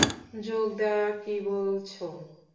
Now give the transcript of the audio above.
যোগ দেওয়া কী বলছ!